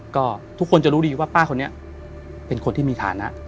ก็ทุกคนจะรู้ดีว่าป้าคนนี้เป็นคนที่มีฐานะ